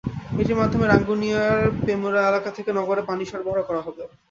এটির মাধ্যমে রাঙ্গুনিয়ার পোমরা এলাকা থেকে নগরে পানি সরবরাহ করা হবে।